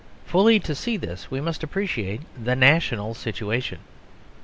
Fully to see this we must appreciate the national situation.